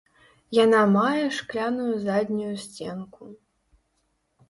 Яна мае шкляную заднюю сценку.